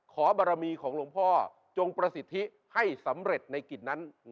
บารมีของหลวงพ่อจงประสิทธิให้สำเร็จในกิจนั้น